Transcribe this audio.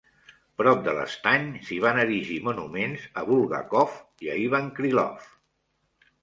Prop de l'estany s'hi van erigir monuments a Bulgakov i a Ivan Krylov.